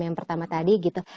yang pertama tadi gitu